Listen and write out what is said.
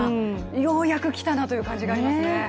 ようやくきたなという感じがありますね。